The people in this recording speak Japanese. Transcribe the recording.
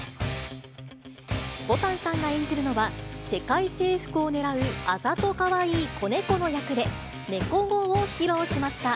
ぼたんさんが演じるのは、世界征服をねらうあざとかわいい子猫の役で、猫語を披露しました。